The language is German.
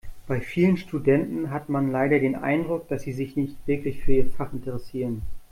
Bei vielen Studenten hat man leider den Eindruck, dass sie sich nicht wirklich für ihr Fach interessieren.